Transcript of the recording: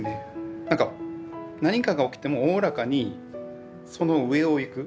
なんか何かが起きてもおおらかにその上をいく。